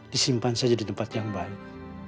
disimpan saja di tempat yang baik